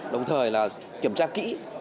đồng thời kiểm tra kỹ